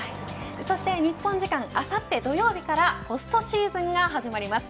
そして日本時間あさって土曜日からポストシーズンが始まります。